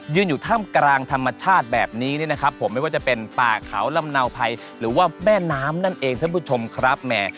อยู่ท่ามกลางธรรมชาติแบบนี้เนี่ยนะครับผมไม่ว่าจะเป็นป่าเขาลำเนาภัยหรือว่าแม่น้ำนั่นเองท่านผู้ชมครับแหม